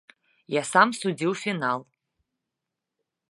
Я сам судзіў фінал.